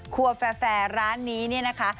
ครัวแฟร์ร้านนี้เนี่ยนะคะ